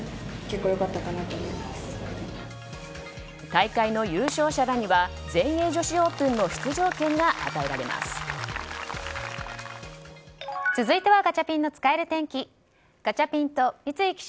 大会の優勝者らには全英女子オープンの続いてはガチャピンの使える天気。